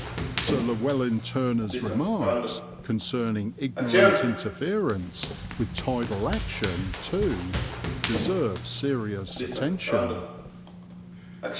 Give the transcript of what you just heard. Sir Llewelyn Turner's remarks concerning ignorant interference with tidal action, too, deserve serious attention.